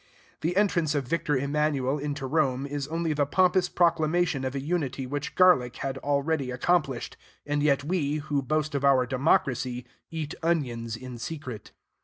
The entrance of Victor Emanuel into Rome is only the pompous proclamation of a unity which garlic had already accomplished; and yet we, who boast of our democracy, eat onions in secret.